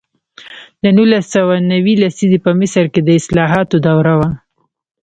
د نولس سوه نوي لسیزه په مصر کې د اصلاحاتو دوره وه.